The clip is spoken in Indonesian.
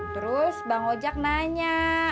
terus bang ojak nanya